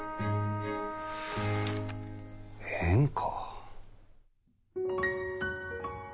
変か。